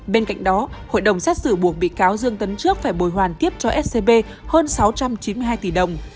bên cạnh đó hội đồng xét xử buộc bị cáo dương tấn trước phải bồi hoàn tiếp cho scb hơn sáu trăm chín mươi hai tỷ đồng